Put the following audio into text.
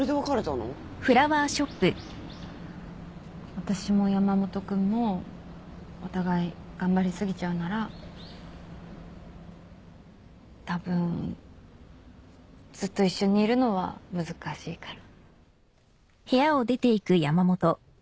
私も山本君もお互い頑張り過ぎちゃうならたぶんずっと一緒にいるのは難しいから。